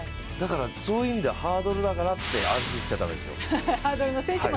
そういう意味ではハードルだからって安心しちゃ駄目ですよ。